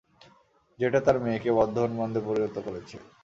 যেটা তার মেয়েকে বদ্ধউন্মাদে পরিণত করেছে।